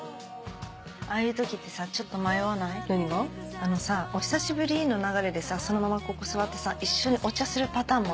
あのさお久しぶりの流れでさそのままここ座ってさ一緒にお茶するパターンもあるじゃん。